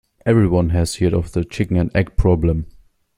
Everyone has heard of the chicken and egg problem.